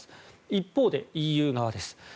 一方で、ＥＵ側です。